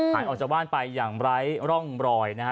หายออกจากบ้านไปอย่างไร้ร่องรอยนะฮะ